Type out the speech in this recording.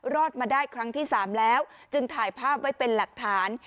รอดมาได้ครั้งที่๓แล้วจึงถ่ายภาพไว้เป็นหลักฐาน